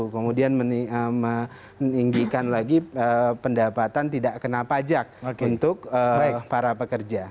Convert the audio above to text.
kemudian meninggikan lagi pendapatan tidak kena pajak untuk para pekerja